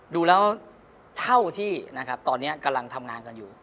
ดูแล้วเท่าที่นะครับตอนนี้กำลังทำงานกันอยู่